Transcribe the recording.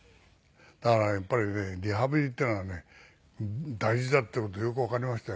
だからやっぱりねリハビリっていうのはね大事だっていう事よくわかりましたよ。